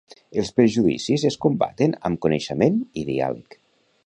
Els prejudicis es combaten amb coneixement i diàleg.